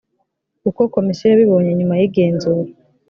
uko komisiyo yabibonye nyuma y igenzura